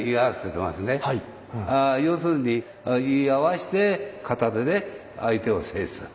要するに居合わして片手で相手を制する。